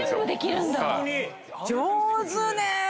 上手ね！